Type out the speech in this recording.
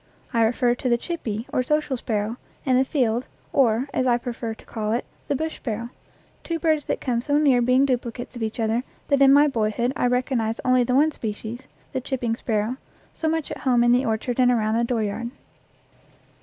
I refer to the "chippie," or social sparrow, and the field, or, as I prefer to call it, the bush sparrow two birds that come so near being duplicates of each other that in my boy hood I recognized only the one species, the chip ping sparrow, so much at home in the orchard and around the dooryard.